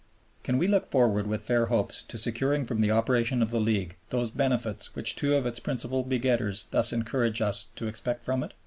Can we look forward with fair hopes to securing from the operation of the League those benefits which two of its principal begetters thus encourage us to expect from it?